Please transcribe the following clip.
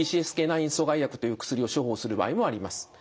９阻害薬という薬を処方する場合もあります。